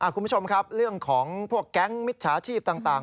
คุณผู้ชมครับเรื่องของพวกแก๊งมิจฉาชีพต่าง